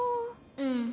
うん。